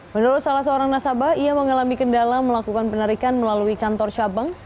menurut salah seorang nasabah ia mengalami kendala melakukan penarikan melalui kantor cabang